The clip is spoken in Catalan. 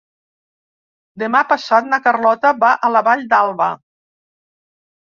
Demà passat na Carlota va a la Vall d'Alba.